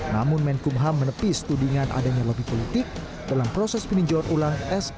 namun kemenkum ham menepis tudingan adanya lobi politik dalam proses peninjauan ulang sk